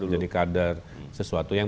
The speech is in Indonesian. jadi kader sesuatu yang